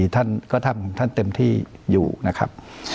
ท่านก็ทำท่านเต็มที่อยู่นะครับ